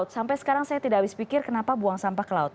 sampai sekarang saya tidak habis pikir kenapa buang sampah ke laut